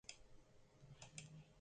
Ez zuen agindua berritu behar izan.